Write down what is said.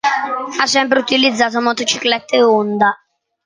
Ha sempre utilizzato motociclette Honda.